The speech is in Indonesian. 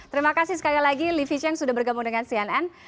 terima kasih sekali lagi livi cheng sudah bergabung dengan cnn